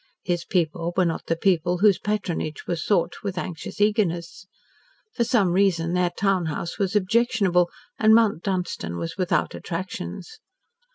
His people were not the people whose patronage was sought with anxious eagerness. For some reason their town house was objectionable, and Mount Dunstan was without attractions.